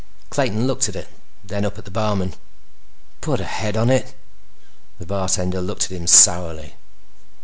Clayton looked at it, then up at the barman. "Put a head on it." The bartender looked at him sourly.